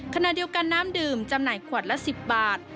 ขณะเดียวกันน้ำดื่มจำหน่ายขวดละ๑๐บาท